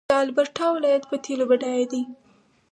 د البرټا ولایت په تیلو بډایه دی.